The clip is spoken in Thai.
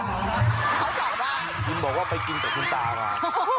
กินแต่คุณตากินแต่คุณตากินสองอัน